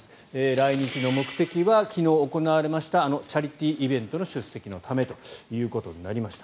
来日の目的は昨日行われたチャリティーイベントの出席のためとなりました。